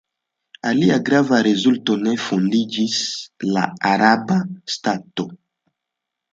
Alia grava rezulto: ne fondiĝis la araba ŝtato.